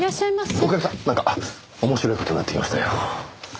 女将さんなんか面白い事になってきましたよ。